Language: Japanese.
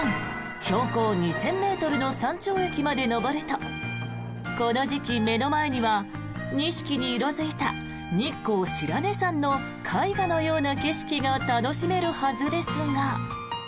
標高２０００ｍの山頂駅まで登るとこの時期、目の前には錦に色付いた日光白根山の絵画のような景色が楽しめるはずですが。